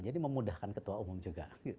jadi memudahkan ketua umum juga